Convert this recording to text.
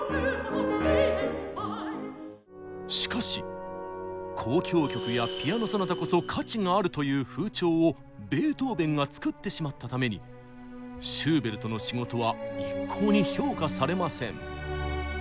しかし「交響曲やピアノ・ソナタこそ価値がある」という風潮をベートーベンがつくってしまったためにシューベルトの仕事は一向に評価されません。